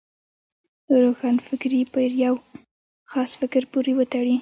روښانفکري پر یو خاص فکر پورې وتړي.